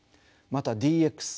またＤＸ